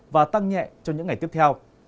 và tăng nhẹ